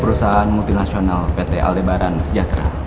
perusahaan multinasional pt aldebaran sejahtera